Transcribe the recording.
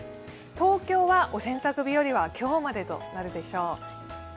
東京はお洗濯日和は今日までとなるでしょう。